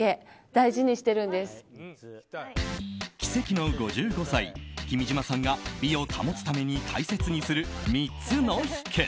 奇跡の５５歳君島十和子さんが美を保つために大切にする３つの秘訣。